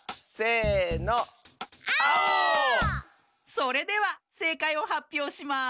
それではせいかいをはっぴょうします。